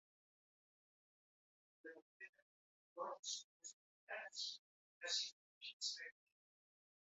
Durant l'hivern els ports resten oberts gràcies als vaixells trencagel.